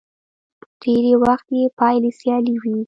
ډېری وخت يې پايله سیالي وي.